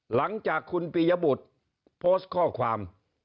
หลังจากคุณปียบุตรโพสต์ข้อความ